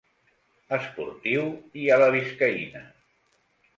Esportiu, i a la biscaïna.